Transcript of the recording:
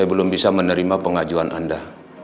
saya belum bisa menerima pengajuan anda